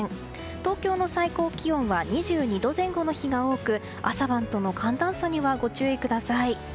東京の最高気温は２２度前後の日が多く朝晩との寒暖差にはご注意ください。